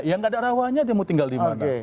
yang enggak ada rawanya dia mau tinggal dimana